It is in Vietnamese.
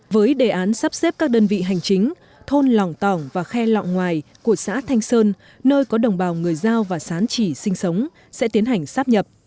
với đề án sắp xếp các đơn vị hành chính thôn lòng tỏng và khe lọng ngoài của xã thanh sơn nơi có đồng bào người giao và sán chỉ sinh sống sẽ tiến hành sắp nhập